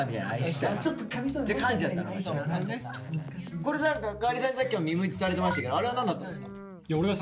これ何かガリさんさっき耳打ちされてましたけどあれは何だったんですか？